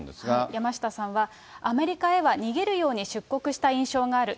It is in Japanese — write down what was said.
山下さんは、アメリカへは逃げるように出国した印象がある。